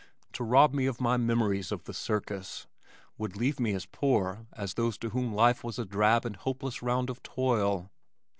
To rob me of my memories of the circus would leave me as poor as those to whom life was a drab and hopeless round of toil.